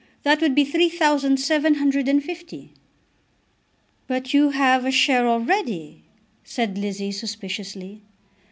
That would be three thousand seven hundred and fifty." "But you have a share already," said Lizzie suspiciously.